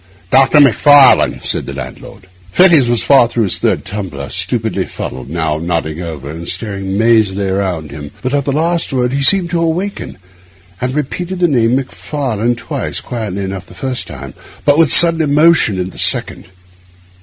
'Doctor Macfarlane,' said the landlord. Fettes was far through his third tumbler, stupidly fuddled, now nodding over, now staring mazily around him; but at the last word he seemed to awaken, and repeated the name 'Macfarlane' twice, quietly enough the first time, but with sudden emotion at the second.